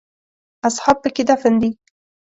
اصحاب په کې دفن دي.